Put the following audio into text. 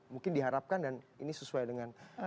mungkin diharapkan dan ini sesuai dengan